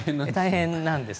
大変なんです。